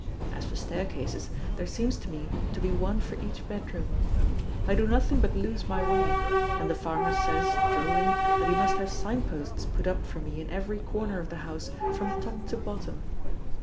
As for staircases, there seems to me to be one for each bedroom. I do nothing but lose my way and the farmer says, drolling, that he must have sign posts put up for me in every corner of the house from top to bottom.